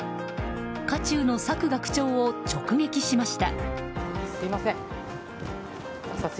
渦中の朔学長を直撃しました。